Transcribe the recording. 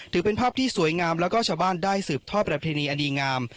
ถือเป็นภาพที่สวยงามแล้วก็ชาวบ้านได้สืบทอดประเพณีอดีงาม